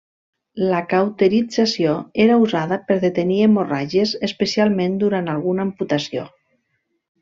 La cauterització era usada per detenir hemorràgies, especialment durant alguna amputació.